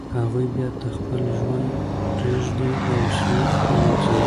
هغوی بیرته خپل ژوند پریږدي او سویل ته ځي